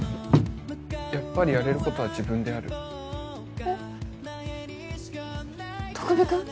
やっぱりやれることは自分でやるえっ巧くん？